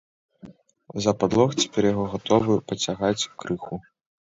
За падлог цяпер яго гатовы пацягаць крыху.